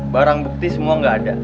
barang bukti semua nggak ada